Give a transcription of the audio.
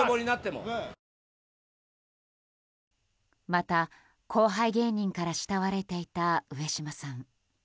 また、後輩芸人から慕われていた、上島さん。